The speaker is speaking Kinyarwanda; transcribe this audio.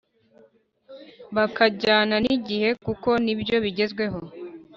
bakajyana n’igihe kuko nibyo bigezweho